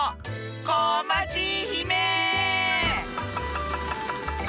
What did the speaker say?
こまちひめ！